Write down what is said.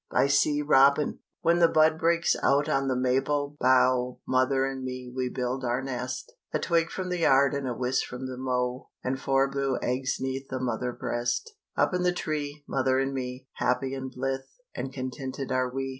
BY C. ROBIN. When the bud breaks out on the maple bough Mother and me we build our nest A twig from the yard and a wisp from the mow And four blue eggs 'neath the mother breast. Up in the tree, mother and me, Happy and blithe and contented are we.